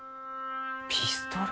ピストル？